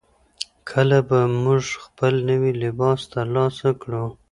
کله به موږ خپل نوی لباس ترلاسه کړو؟